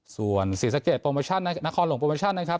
ส่วนศรีสะเกดโปรโมชั่นนครหลวงโปรโมชั่นนะครับ